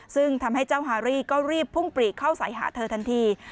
ซึ่งทำให้เจ้าฮารี่ก็รีบพุ่งปรีกเข้าใส่หาเธอทันที